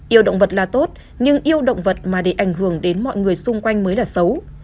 yêu động vật là tốt nhưng yêu động vật mà để ảnh hưởng đến mọi người xung quanh mới là xấu